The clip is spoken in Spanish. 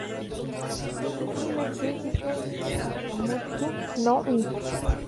Fue el primer Príncipe Takamatsu-no-miya.